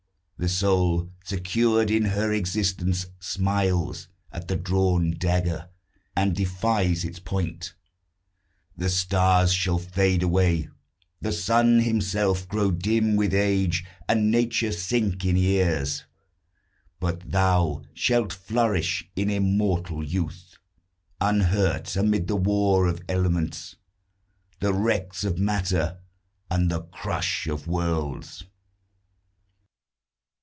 The soul, secured in her existence, smiles At the drawn dagger, and defies its point. The stars shall fade away, the sun himself Grow dim with age, and Nature sink in years; But thou shalt flourish in immortal youth, Unhurt amid the war of elements, The wrecks of matter, and the crush of worlds!